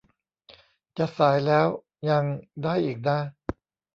จะสายแล้ว ยัง ได้อีกนะ